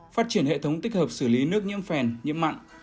phát triển hệ thống tích hợp xử lý nước nhiễm phèn nhiễm mặn